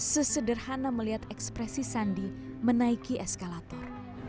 sesederhana melihat ekspresi sandi menaiki eskalator